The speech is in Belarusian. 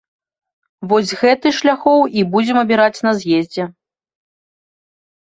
Вось з гэты шляхоў і будзем абіраць на з'ездзе.